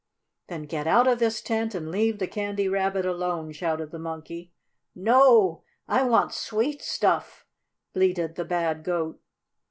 "Then get out of this tent and leave the Candy Rabbit alone!" shouted the Monkey. "No! I want sweet stuff!" bleated the bad Goat.